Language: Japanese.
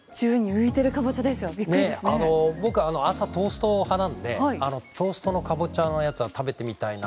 僕朝トースト派なんでカボチャのトーストのやつは食べてみたいな。